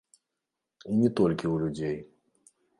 І не толькі ў людзей.